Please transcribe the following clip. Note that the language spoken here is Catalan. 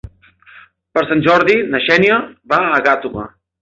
Per Sant Jordi na Xènia va a Gàtova.